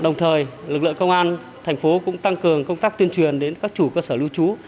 đồng thời lực lượng công an thành phố cũng tăng cường công tác tuyên truyền đến các chủ cơ sở lưu trú